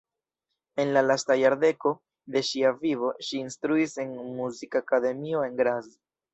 En la lasta jardeko de ŝia vivo ŝi instruis en muzikakademio en Graz.